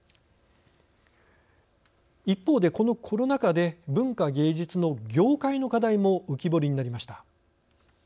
一方でこのコロナ禍で文化芸術の業界の課題も浮き彫りになりました。